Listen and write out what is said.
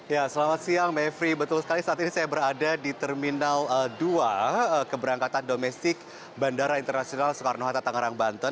ya selamat siang mevri betul sekali saat ini saya berada di terminal dua keberangkatan domestik bandara internasional soekarno hatta tangerang banten